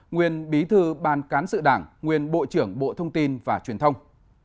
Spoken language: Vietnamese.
nguyên bí thư ban cán sự đảng nguyên bộ trưởng bộ thông tin và truyền thông